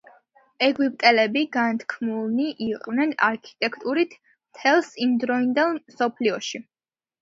ეგვიპტელები განთქმულნი იყვნენ არქიტექტურით მთელს იმდროინდელ მსოფლიოში.